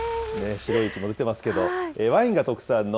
白い息も出ていますけれども、ワインが特産の